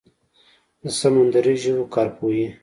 د سمندري ژویو کارپوهې